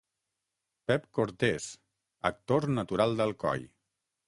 Pep Cortés, actor natural d’Alcoi.